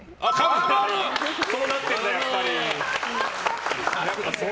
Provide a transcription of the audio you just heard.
そうなってんだ、やっぱり。